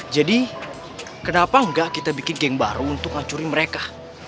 jadi kenapa enggak kita bikin geng baru untuk ngacuri mereka